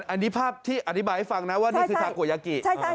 อันนี้ภาพที่อธิบายให้ฟังนะว่านี่คือทาโกยากิ